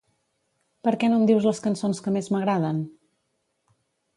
Per què no em dius les cançons que més m'agraden?